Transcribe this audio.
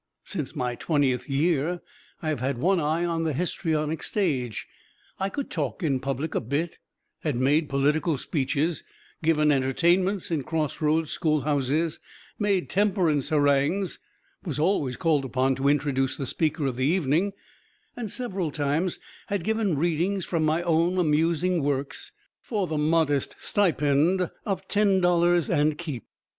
Since my twentieth year I have had one eye on the histrionic stage. I could talk in public a bit, had made political speeches, given entertainments in crossroads schoolhouses, made temperance harangues, was always called upon to introduce the speaker of the evening, and several times had given readings from my own amusing works for the modest stipend of ten dollars and keep.